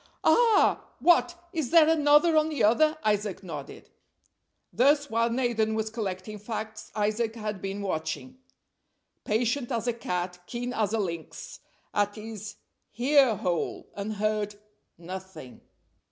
"Ah! What, is there another on the other?" Isaac nodded. Thus, while Nathan was collecting facts, Isaac had been watching, "patient as a cat, keen as a lynx," at his ear hole, and heard nothing.